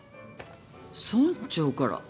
村長から。